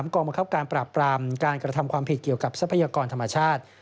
กองบังคับการปราบปรามการกระทำความผิดเกี่ยวกับทรัพยากรธรรมชาติ